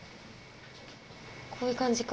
こういう感じか。